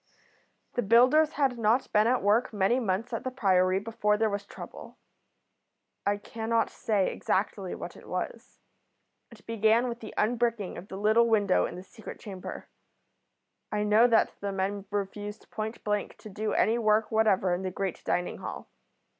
"The builders had not been at work many months at the Priory before there was trouble. I cannot say exactly what it was. It began with the unbricking of the little window in the secret chamber. I know that the men refused point blank to do any work whatever in the great dining hall.